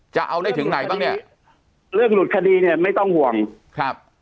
จะเอาได้ถึงไหนบ้างเนี่ยเรื่องหลุดคดีเนี้ยไม่ต้องห่วงครับ